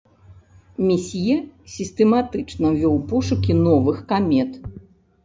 Месье сістэматычна вёў пошукі новых камет.